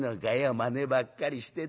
まねばっかりしててよ。